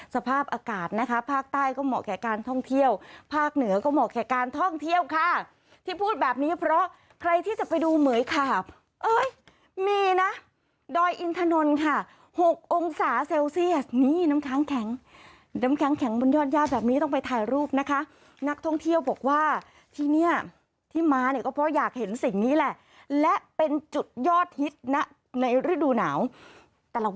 สภาพอากาศนะคะภาคใต้ก็เหมาะแก่การท่องเที่ยวภาคเหนือก็เหมาะแก่การท่องเที่ยวค่ะที่พูดแบบนี้เพราะใครที่จะไปดูเหมือยขาบเอ้ยมีนะดอยอินถนนค่ะ๖องศาเซลเซียสนี่น้ำค้างแข็งน้ำค้างแข็งบนยอดย่าแบบนี้ต้องไปถ่ายรูปนะคะนักท่องเที่ยวบอกว่าที่เนี่ยที่มาเนี่ยก็เพราะอยากเห็นสิ่งนี้แหละและเป็นจุดยอดฮิตนะในฤดูหนาวต